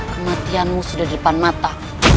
kematianmu sudah depan mata